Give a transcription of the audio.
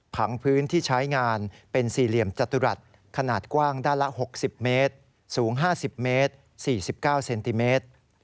พื้นที่ใช้งานเป็นสี่เหลี่ยมจตุรัสขนาดกว้างด้านละ๖๐เมตรสูง๕๐เมตร๔๙เซนติเมตร